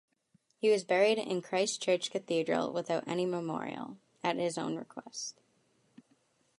He was buried in Christ Church Cathedral without any memorial, at his own request.